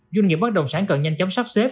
doanh nghiệp bất động sản cần nhanh chóng sắp xếp